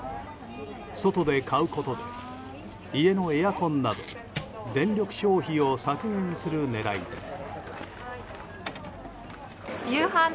外で買うことで家のエアコンなど電力消費を削減する狙いです。